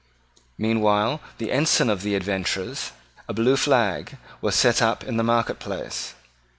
Meanwhile the ensign of the adventurers, a blue flag, was set up in the marketplace.